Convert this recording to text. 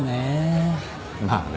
まあね。